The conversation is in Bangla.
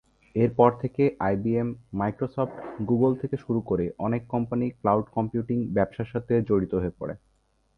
এর পর থেকে আইবিএম, মাইক্রোসফট, গুগল থেকে শুরু করে অনেক কোম্পানি ক্লাউড কম্পিউটিং ব্যবসার সাথে জড়িত হয়ে পড়ে।